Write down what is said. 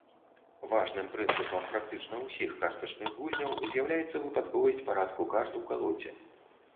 Важным прынцыпам практычна ўсіх картачных гульняў з'яўляецца выпадковасць парадку карт у калодзе.